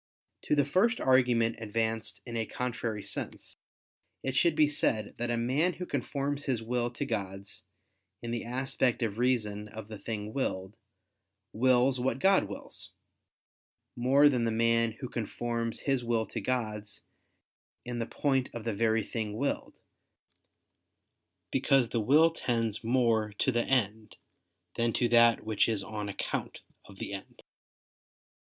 To the first argument advanced in a contrary sense, it should be said that a man who conforms his will to God's, in the aspect of reason of the thing willed, wills what God wills, more than the man, who conforms his will to God's, in the point of the very thing willed; because the will tends more to the end, than to that which is on account of the end.